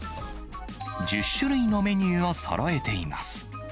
１０種類のメニューをそろえています。